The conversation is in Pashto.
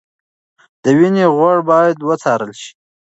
د وینې غوړ باید وڅارل شي.